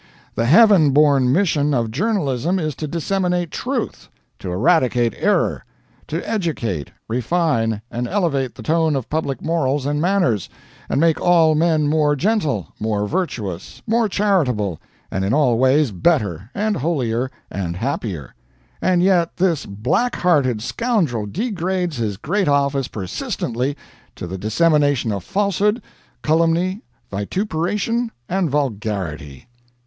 The heaven born mission of journalism is to disseminate truth; to eradicate error; to educate, refine, and elevate the tone of public morals and manners, and make all men more gentle, more virtuous, more charitable, and in all ways better, and holier, and happier; and yet this blackhearted scoundrel degrades his great office persistently to the dissemination of falsehood, calumny, vituperation, and vulgarity.